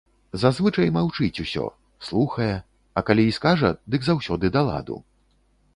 Зазвычай маўчыць усё, слухае, а калі й скажа, дык заўсёды да ладу.